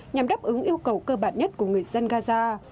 nhằm đáp ứng yêu cầu cơ bản nhất của người dân gaza